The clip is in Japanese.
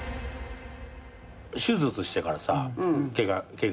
手術してからさケガ？